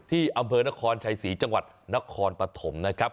อำเภอนครชัยศรีจังหวัดนครปฐมนะครับ